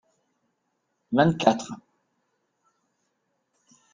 vingt quatre.